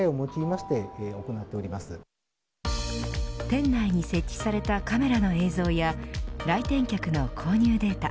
店内に設置されたカメラの映像や来店客の購入データ